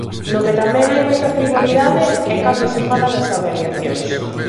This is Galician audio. No que tamén hai moita frivolidade é cando se fala das avaliacións.